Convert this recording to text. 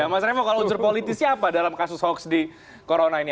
mas remo kalau unsur politik siapa dalam kasus hoax di corona ini